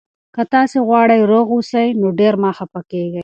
که تاسي غواړئ روغ اوسئ، نو ډېر مه خفه کېږئ.